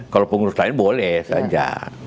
kalau pengurus lain boleh saja